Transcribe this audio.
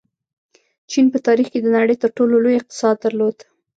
چین په تاریخ کې د نړۍ تر ټولو لوی اقتصاد درلود.